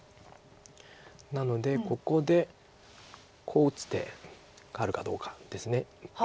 なのでここでこう打つ手があるかどうかです。